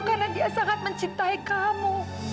karena dia sangat mencintai kamu